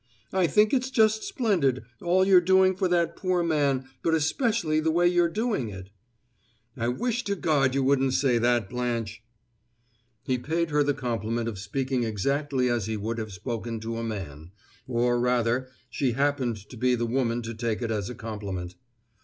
"I think it's just splendid, all you're doing for that poor man, but especially the way you're doing it." "I wish to God you wouldn't say that, Blanche!" He paid her the compliment of speaking exactly as he would have spoken to a man; or rather, she happened to be the woman to take it as a compliment.